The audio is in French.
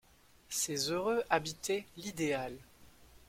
Ces heureux habitaient l’idéal.